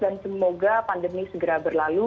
dan semoga pandemi segera berlalu